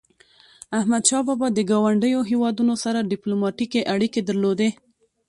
احمدشاه بابا د ګاونډیو هیوادونو سره ډیپلوماټيکي اړيکي درلودی.